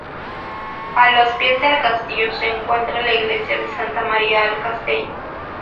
A los pies del castillo se encuentra la Iglesia de Santa Maria al Castello.